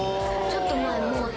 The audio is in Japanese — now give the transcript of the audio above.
ちょっと前も。